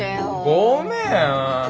ごめん。